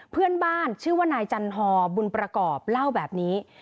เพื่อนบ้านชื่อว่านายจันฮอบุญประกอบเล่าแบบนี้